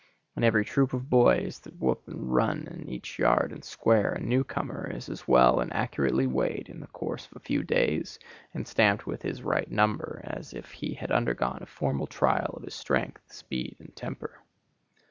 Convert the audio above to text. In every troop of boys that whoop and run in each yard and square, a new comer is as well and accurately weighed in the course of a few days and stamped with his right number, as if he had undergone a formal trial of his strength, speed and temper.